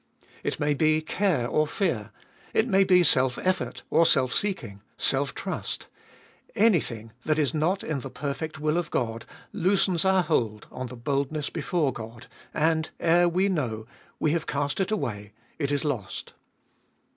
It may be care or fear, it may be self effort, or self seeking, self trust ; anything that is not in the perfect will of God loosens our hold on the boldness before God, and, ere we know, we have cast it away : it is lost.